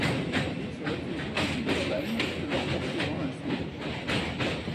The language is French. Ils se réfugient dans une cabane que leurs poursuivants incendient.